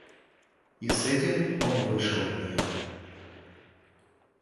И с этим он вышел от нее.